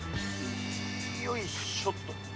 よいしょっと。